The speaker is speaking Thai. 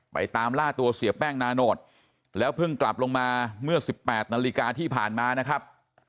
ตามล่าตัวเสียแป้งนาโนตแล้วเพิ่งกลับลงมาเมื่อ๑๘นาฬิกาที่ผ่านมานะครับ